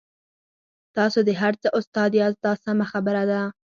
تاسو د هر څه استاد یاست دا سمه خبره ده.